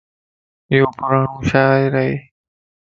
ايو پراڙون شاعر ائي